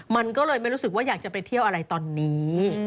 มันก็เลยไม่รู้สึกว่าอยากจะไปเที่ยวอะไรตอนนี้